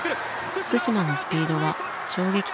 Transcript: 福島のスピードは衝撃的だった。